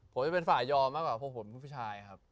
ผมจะเป็นฝ่ายยอมมากกว่าพวกผมผู้ชายครับ